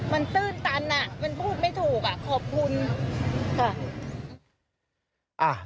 มันตื้นตันมันพูดไม่ถูกขอบคุณ